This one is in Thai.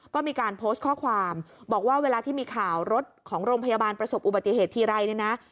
ก็มีการโพสต์ข้อความบอกว่าเวลาที่มีข่าวรถของโรงพยาบาลประสบอุบัติเหตุทีไรเนี่ยนะ